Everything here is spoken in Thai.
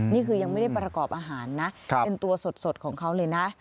นี่คือยังไม่ได้ประกอบอาหารนะเป็นตัวสดของเขาเลยนะ